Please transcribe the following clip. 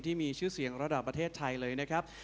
ที่มีชื่อเสียงระดับประเทศไทยเลยนะครับ